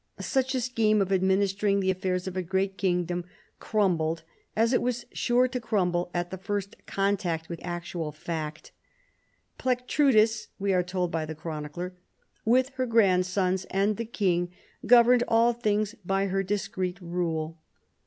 Such a scheme of administering the affairs of a great kingdom crumbled, as it was sare to crumble, at the first contact with actual fact. " Plectrudis," we are told by the chronicler, " with her grandsons and the king governed all things by her discreet rule."